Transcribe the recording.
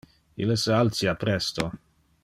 Ille se altia presto.